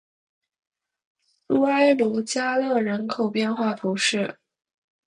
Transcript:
苏埃罗加勒人口变化图示